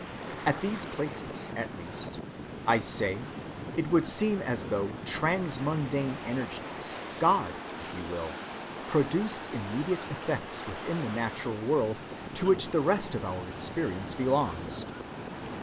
At these places at least, I say, it would seem as though transmundane energies, God, if you will, produced immediate effects within the natural world to which the rest of our experience belongs.